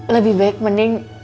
lebih baik mending